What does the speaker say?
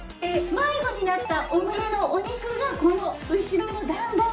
迷子になったお胸のお肉がこの後ろの段々なんです。